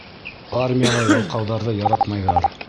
Армияла ялҡауҙарҙы яратмайҙар.